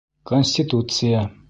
Конституция.